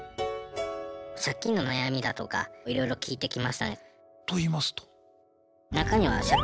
借金の悩みだとかいろいろ聞いてきましたね。と言いますと？